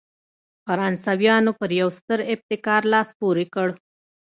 فرانسویانو پر یوه ستر ابتکار لاس پورې کړ.